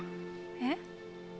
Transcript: えっ？